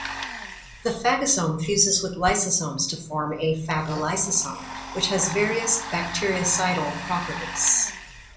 The phagosome fuses with lysosomes to form a phagolysosome, which has various bactericidal properties.